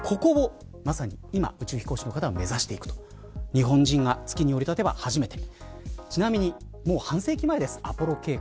日本人が月に降り立てば初めて。